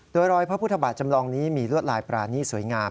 โดยรอยพระพุทธบาทจำลองนี้มีลวดลายปรานีตสวยงาม